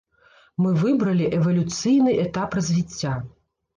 Мы выбралі эвалюцыйны этап развіцця.